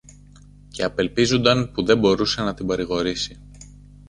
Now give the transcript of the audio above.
και απελπίζουνταν που δεν μπορούσε να την παρηγορήσει.